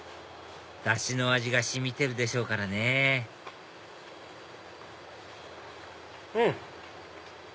ダシの味が染みてるでしょうからねうん！